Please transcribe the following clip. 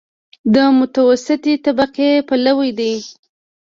د متوسطې طبقې پلوی دی.